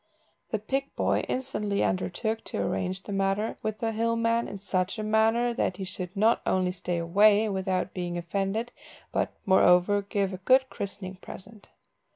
The pig boy instantly undertook to arrange the matter with the hill man in such a manner that he should not only stay away without being offended, but, moreover, give a good christening present.